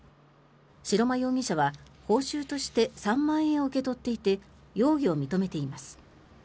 白間容疑者は報酬として３万円を受け取っていて容疑を認めています。